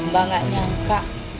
mbak gak nyangka